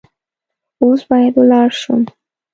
اوس باید ولاړ شم .